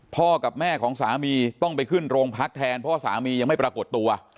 กับแม่ของสามีต้องไปขึ้นโรงพักแทนเพราะสามียังไม่ปรากฏตัว